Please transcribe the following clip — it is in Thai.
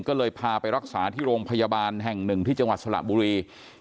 ก็เลยพาไปรักษาที่โรงพยาบาลแห่งหนึ่งที่จังหวัดสระบุรี